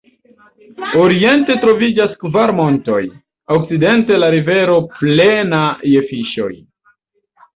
Oriente troviĝas kvar montoj, okcidente la rivero plena je fiŝoj.